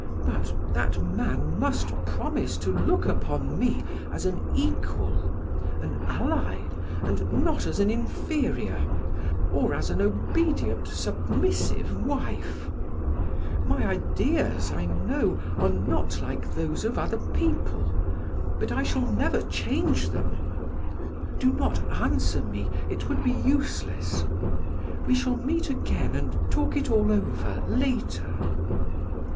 But that man must promise to look upon me as an equal, an ally, and not as an inferior, or as an obedient, submissive wife. My ideas, I know, are not like those of other people, but I shall never change them. Do not answer me, it would be useless. We shall meet again and talk it all over later.